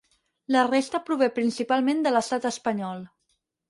La resta prové principalment de l'Estat espanyol.